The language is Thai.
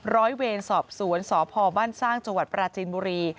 ร้อยเวรสอบสวนสพบ้านสร้างจังหวัดปราจีนบุรี